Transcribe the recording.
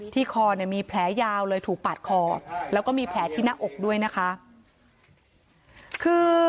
ที่คอมีแผลยาวเลยถูกปัดคอแล้วก็มีแผลที่หน้าอก